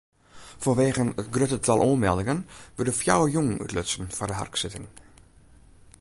Fanwegen it grutte tal oanmeldingen wurde fjouwer jûnen útlutsen foar de harksitting.